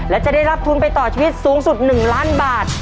และจะได้รับทุนไปต่อชีวิตสูงสุด๑ล้านบาท